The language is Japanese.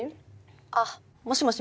あっもしもし